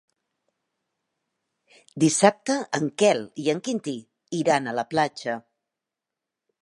Dissabte en Quel i en Quintí iran a la platja.